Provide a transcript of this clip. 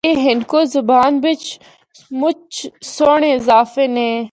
اے ہندکو زبان بچ مُچ سہنڑے اضافے نے۔